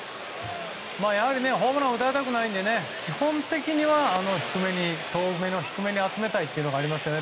やはりホームランを打たれたくないので基本的には遠めの低めに集めたいというのがありますね。